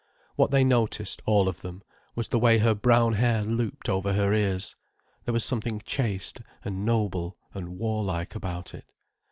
What they noticed, all of them, was the way her brown hair looped over her ears. There was something chaste, and noble, and war like about it.